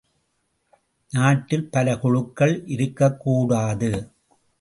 நாட்டில் பல குழுக்கள் இருக்கக்கூடாது.